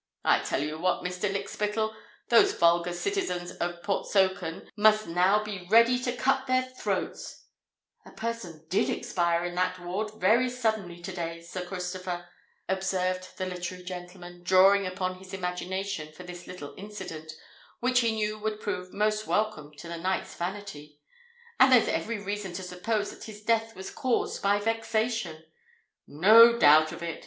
"I tell you what, Mr. Lykspittal—those vulgar citizens of Portsoken must now be ready to cut their throats——" "A person did expire in that ward very suddenly to day, Sir Christopher," observed the literary gentleman, drawing upon his imagination for this little incident, which he knew would prove most welcome to the knight's vanity; "and there's every reason to suppose that his death was caused by vexation." "No doubt of it!"